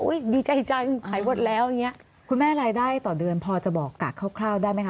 ก็ว่าอุ้ยดีใจจังขายหมดแล้วอย่างเงี้ยคุณแม่รายได้ต่อเดือนพอจะบอกกัดคร่าวคร่าวได้ไหมค่ะ